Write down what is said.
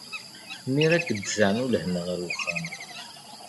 Mi ara k-d-teɛnu lehna ɣer uxxam.